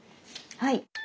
はい。